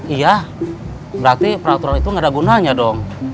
iya berarti peraturan itu nggak ada gunanya dong